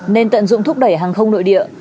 nên tận dụng thúc đẩy hàng không nội địa